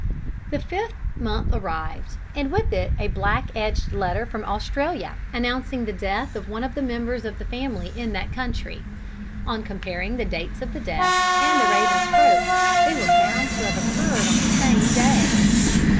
The fifth month arrived, and with it a black edged letter from Australia, announcing the death of one of the members of the family in that country. On comparing the dates of the death and the raven's croak, they were found to have occurred on the same day.'"